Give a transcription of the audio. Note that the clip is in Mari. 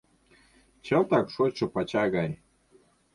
Чылтак шочшо пача гай.